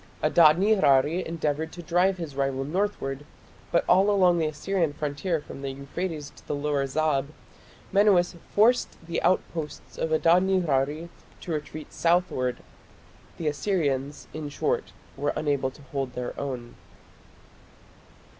Adad nirari endeavoured to drive his rival northward, but all along the Assyrian frontier from the Euphrates to the Lower Zab, Menuas forced the outposts of Adad nirari to retreat southward. The Assyrians, in short, were unable to hold their own.